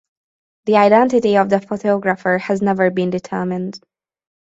The identity of the photographer has never been determined.